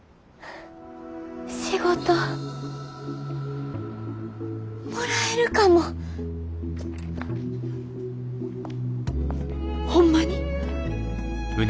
仕事もらえるかも。ホンマに？